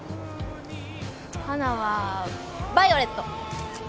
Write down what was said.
ハナはバイオレット！